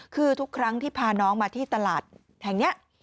คือทุกครั้งที่พาน้องมาที่ตลาดแห่งนี้